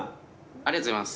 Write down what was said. ありがとうございます。